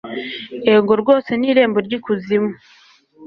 ego rwose ni irembo ry'ikuzimu